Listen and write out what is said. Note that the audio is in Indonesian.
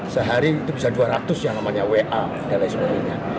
sehari itu bisa dua ratus yang namanya wa dan lain sebagainya